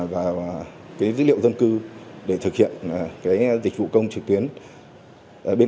và dịch vụ công quốc gia